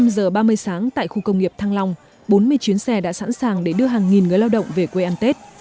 năm giờ ba mươi sáng tại khu công nghiệp thăng long bốn mươi chuyến xe đã sẵn sàng để đưa hàng nghìn người lao động về quê an tết